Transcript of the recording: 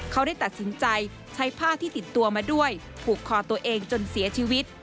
เขาได้ตัดสินใจใช้ผ้าที่ติดตัวมาด้วยผูกคอตัวเองจนเสียชีวิต